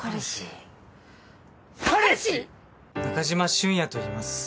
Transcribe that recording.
中島俊也といいます。